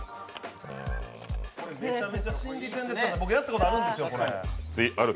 めちゃめちゃ心理戦で、僕やったことあるんですよ。